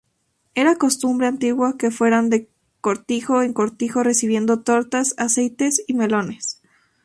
Era costumbre antigua que fueran de cortijo en cortijo recibiendo tortas, aceite y melones.